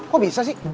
kok bisa sih